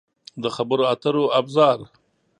د خبرو اترو ابزار